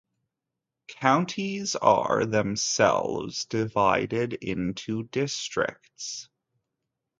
Counties are themselves divided into Districts.